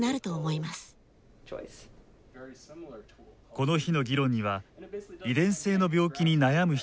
この日の議論には遺伝性の病気に悩む人や